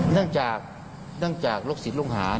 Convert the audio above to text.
เนื่องจากลูกศิษย์ลูกหา